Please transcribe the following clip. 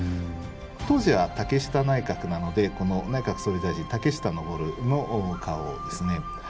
当時は竹下内閣なのでこの内閣総理大臣竹下登の花押ですね。